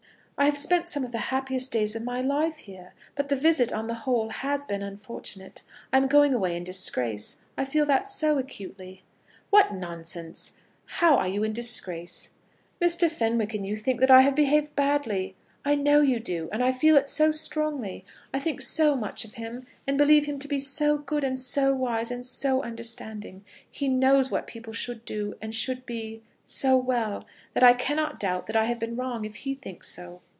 "I have spent some of the happiest days of my life here, but the visit, on the whole, has been unfortunate. I am going away in disgrace. I feel that so acutely." "What nonsense! How are you in disgrace?" "Mr. Fenwick and you think that I have behaved badly. I know you do, and I feel it so strongly! I think so much of him, and believe him to be so good, and so wise, and so understanding, he knows what people should do, and should be, so well, that I cannot doubt that I have been wrong if he thinks so."